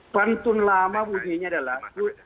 pantun lama bunyinya adalah